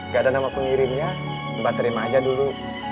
gak ada nama pengirimnya mbak terima aja dulu